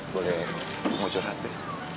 boleh ngucur hati